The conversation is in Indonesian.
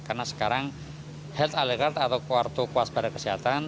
karena sekarang health alert card atau kuartu kuas barat kesehatan